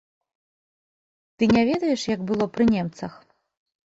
Ты не ведаеш, як было пры немцах?